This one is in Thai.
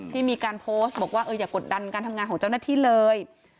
ที่มีการโพสต์บอกว่าอย่ากดดันการทำงานของเจ้าหน้าที่เลย